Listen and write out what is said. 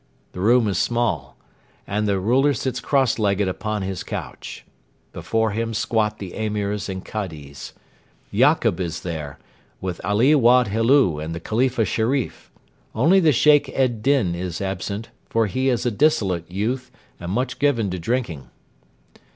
The room is small, and the ruler sits cross legged upon his couch. Before him squat the Emirs and Kadis. Yakub is there, with Ali Wad Helu and the Khalifa Sherif. Only the Sheikh ed Din is absent, for he is a dissolute youth and much given to drinking.